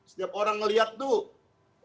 setiap orang ngeliat tuh